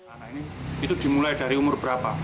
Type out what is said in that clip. anak ini itu dimulai dari umur berapa